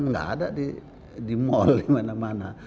nggak ada di mal di mana mana